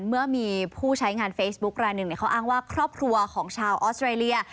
เมื่อมีผู้ใช้งานเฟซบุ๊คลายหนึ่งเขาอ้างว่าครอบครัวของชาวออสเตรเลีย